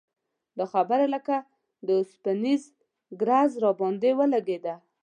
دا خبره لکه د اوسپنیز ګرز راباندې ولګېده.